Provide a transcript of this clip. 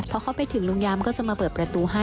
พอเข้าไปถึงลุงยามก็จะมาเปิดประตูให้